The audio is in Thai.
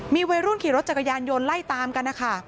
มีวัยรุ่นขี่รถจักรยานยนต์ไล่ตามกันนะคะ